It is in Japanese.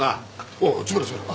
おう詰めろ詰めろ。